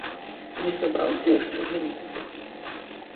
Не сабраўся яшчэ жаніцца?